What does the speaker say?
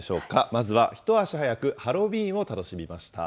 まずは一足早くハロウィーンを楽しみました。